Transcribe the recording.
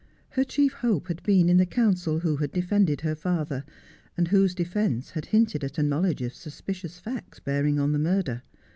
Her chief hope had been in the eounsel who had defended her father, and whose defence had hinted at a knowledge of suspicious facts bearing on the murder.